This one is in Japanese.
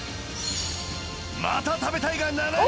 「また食べたい」が７人！